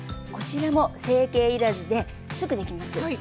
こちらも成形いらずですぐできます。